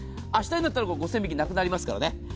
明日になったら５０００円引きなくなりますからね。